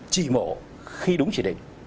chỉ mổ khi đúng chỉ định